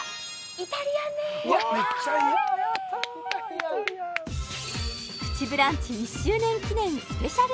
イタリアンプチブランチ１周年記念スペシャル